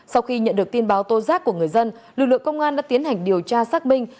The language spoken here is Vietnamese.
sau khi nhận được tin báo tô giác của người dân lực lượng công an đã tiến hành điều tra xác minh